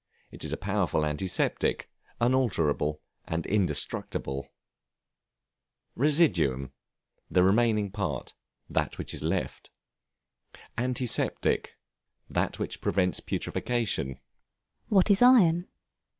It is a powerful antiseptic, unalterable and indestructible. [Footnote 7: See Chapter XII.] Residuum, the remaining part, that which is left. Antiseptic, that which prevents putrefaction. What is Iron?